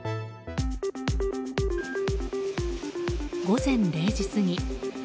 午前０時過ぎ。